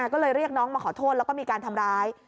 ก็เลยเรียกน้องมาขอโทษแล้วก็มีการทำร้าย